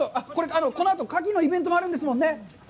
このあとカキのイベントもあるんですもんね？